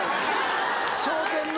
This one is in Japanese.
『笑点』の。